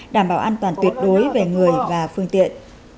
đảm bảo an toàn tuyệt đối về người và phương tiện